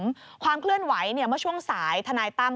จะทิ้นไว้เนี่ยเมื่อช่วงสายทนายตั้ม